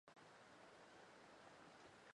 Játiva, Av.